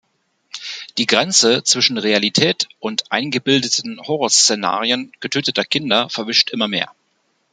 Die Grenze zwischen Realität und eingebildeten Horror-Szenarien getöteter Kinder verwischt immer mehr.